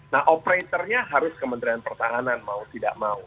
nah operatornya harus kementerian pertahanan mau tidak mau